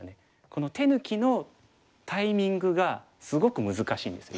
この手抜きのタイミングがすごく難しいんです